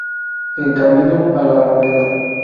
En "Camino a la Moneda.